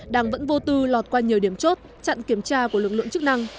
đảng vẫn vô tư lọt qua nhiều điểm chốt chặn kiểm tra của lực lượng chức năng